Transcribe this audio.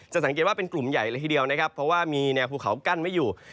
สังเกตว่าเป็นกลุ่มใหญ่เลยทีเดียวนะครับเพราะว่ามีแนวภูเขากั้นไว้อยู่